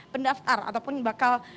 pendaftar ataupun bakal